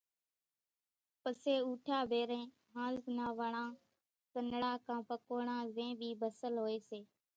پسي اُوٺيا ڀيرين ۿانزُو نا وڙان، سنڙا ڪان پڪوڙان زين ٻي ڀسل ھوئي سي،